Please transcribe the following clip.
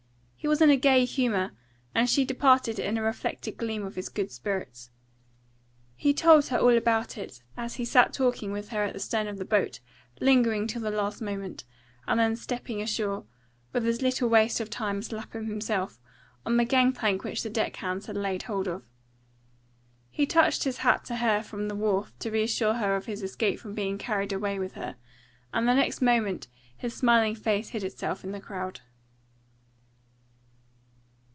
He was in a gay humour, and she departed in a reflected gleam of his good spirits. He told her all about it, as he sat talking with her at the stern of the boat, lingering till the last moment, and then stepping ashore, with as little waste of time as Lapham himself, on the gang plank which the deck hands had laid hold of. He touched his hat to her from the wharf to reassure her of his escape from being carried away with her, and the next moment his smiling face hid itself in the crowd.